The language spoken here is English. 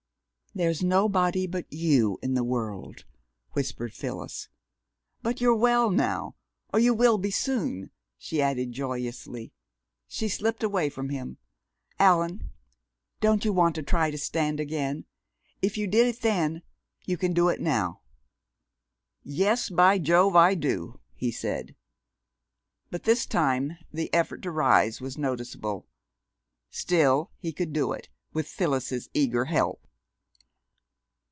"There's nobody but you in the world," whispered Phyllis.... "But you're well now, or you will be soon," she added joyously. She slipped away from him. "Allan, don't you want to try to stand again? If you did it then, you can do it now." "Yes, by Jove, I do!" he said. But this time the effort to rise was noticeable. Still, he could do it, with Phyllis's eager help.